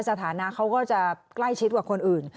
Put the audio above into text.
สถานะเขาก็จะใกล้ชิดกว่าคนอื่น